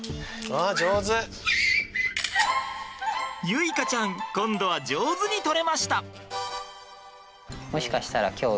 結花ちゃん今度は上手に撮れました！